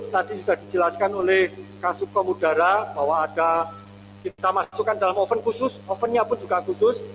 tadi sudah dijelaskan oleh kasubkomudara bahwa ada kita masukkan dalam oven khusus ovennya pun juga khusus